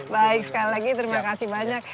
baik sekali lagi terima kasih banyak